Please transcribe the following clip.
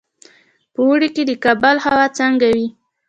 په اوړي کې د کابل هوا څنګه وي؟